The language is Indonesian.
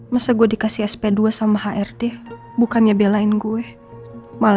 minat di pondok lita